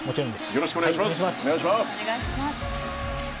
よろしくお願いします。